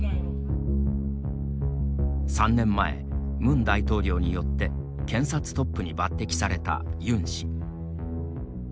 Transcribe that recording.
３年前、ムン大統領によって検察トップに抜てきされたユン氏。